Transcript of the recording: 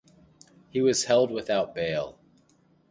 He was held without bail.